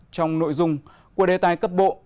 trong nội dung của đề tài cấp bộ